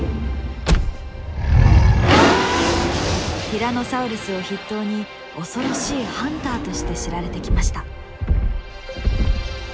ティラノサウルスを筆頭に恐ろしいハンターとして知られてきました。